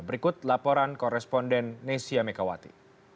berikut laporan koresponden nesya megawati